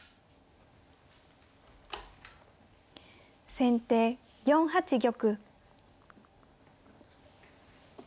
先手４八玉。